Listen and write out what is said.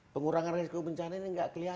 pengurangan risiko bencana ini nggak kelihatan